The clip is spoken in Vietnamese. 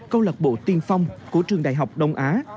câu lạc bộ tiên phong của trường đại học đông á